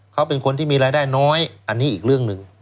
เขาเป็นคนที่มีรายได้น้อยอันนี้อีกเรื่องหนึ่ง